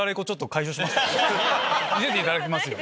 見せていただきますよ。